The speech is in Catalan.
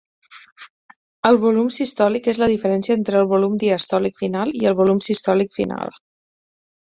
El volum sistòlic és la diferència entre el volum diastòlic final i el volum sistòlic final.